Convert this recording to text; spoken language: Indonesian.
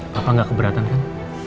papa gak keberatan kan